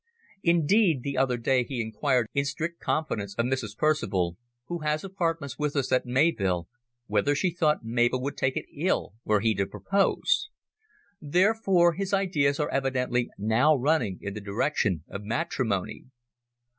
Indeed, the other day he inquired in strict confidence of Mrs. Percival, who has apartments with us at Mayvill, whether she thought Mabel would take it ill were he to propose. Therefore his ideas are evidently now running in the direction of matrimony.